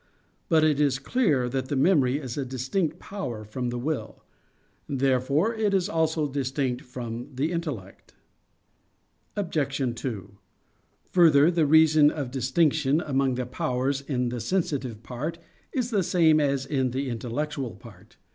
But it is clear that the memory is a distinct power from the will. Therefore it is also distinct from the intellect. Obj. 2: Further, the reason of distinction among the powers in the sensitive part is the same as in the intellectual part.